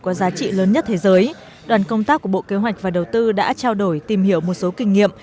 có giá trị lớn nhất thế giới đoàn công tác của bộ kế hoạch và đầu tư đã trao đổi tìm hiểu một số kinh nghiệm